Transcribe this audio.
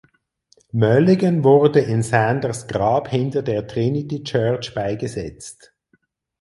Mulligan wurde in Sanders Grab hinter der Trinity Church beigesetzt.